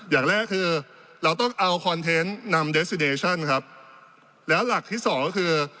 อย่างแรกคือเราต้องเอาคอนเทนต์นำเดสซิเดชั่นครับแล้วหลักที่สองก็คือ